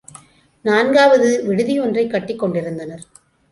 நான்காவது விடுதியொன்றை கட்டிக் கொண்டிருந்தனர்.